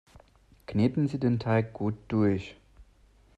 Kneten Sie den Teig gut durch!